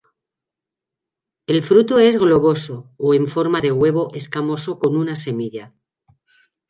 El fruto es globoso o en forma de huevo escamoso con una semilla.